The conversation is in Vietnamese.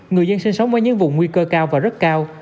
người dân sinh sống ở những vùng nguy cơ cao và rất cao